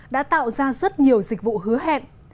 đã tạo ra rất nhiều dịch vụ hứa hẹn